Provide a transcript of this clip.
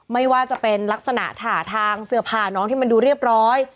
ไม่ว่าจะเป็นลักษณะถ่าทางเสื้อผ้าน้องที่มันดูเรียบร้อย